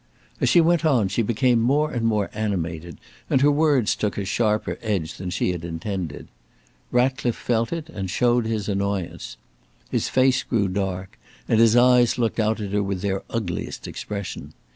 As she went on she became more and more animated and her words took a sharper edge than she had intended. Ratcliffe felt it, and showed his annoyance. His face grew dark and his eyes looked out at her with their ugliest expression.